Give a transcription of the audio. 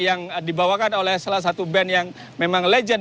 yang dibawakan oleh salah satu band yang memang legend